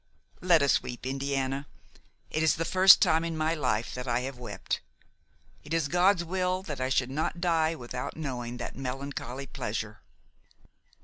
Let us weep, Indiana; it is the first time in my life that I have wept; it is God's will that I should not die without knowing that melancholy pleasure."